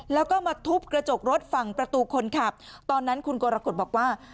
แล้วก็มาทุบกระจกรถฝั่งประตูคนขับตอนนั้นคุณกรกฎบอกว่า